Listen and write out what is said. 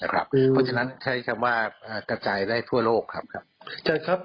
เพราะฉะนั้นใช้คำว่ากระจายได้ทั่วโลกครับเชิญครับ